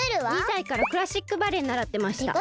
２さいからクラシックバレエならってました。